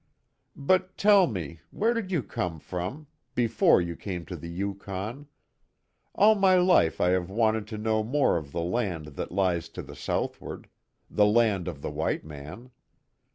"But, tell me, where did you come from before you came to the Yukon? All my life I have wanted to know more of the land that lies to the southward the land of the white man.